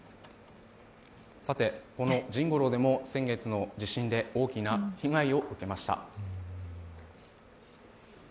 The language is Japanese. さて、この甚五朗でも先月の地震で大きな被害を受けました。